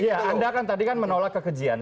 iya anda kan tadi kan menolak kekejian